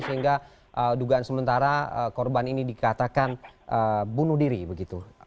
sehingga dugaan sementara korban ini dikatakan bunuh diri begitu